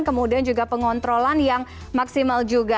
kemudian juga pengontrolan yang maksimal juga